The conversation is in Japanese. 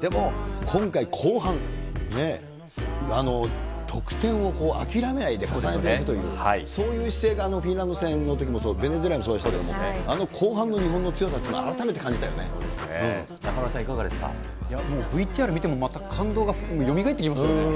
でも、今回、後半ね、得点を諦めないで重ねていくという、そういう姿勢があのフィンランド戦のときもそう、ベネズエラもそうですけれども、あの後半の日本の強さっていうのは、改めてそうですね、中丸さん、いやもう、ＶＴＲ見ても全く感動がよみがえってきましたね。